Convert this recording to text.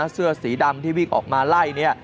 เสื้อสีดำที่วิ่งออกมาไล่เนี่ย